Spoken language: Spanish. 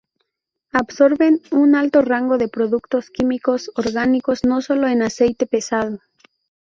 Absorben un alto rango de productos químicos orgánicos, no solo el aceite pesado.